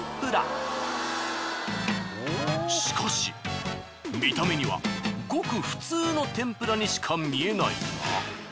しかし見た目にはごく普通の天ぷらにしか見えないが。